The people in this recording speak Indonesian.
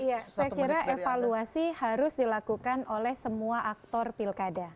ya saya kira evaluasi harus dilakukan oleh semua aktor pilkada